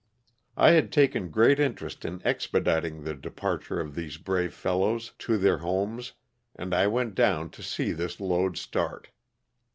I had taken great interest in expediting the departure of these brave fellows to their homes and I went down to see this load start.